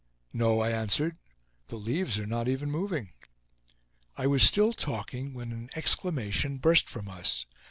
"No," I answered. "The leaves are not even moving." I was still talking when an exclamation burst from us.